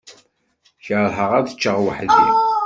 Kerheɣ ad ččeɣ weḥd-i.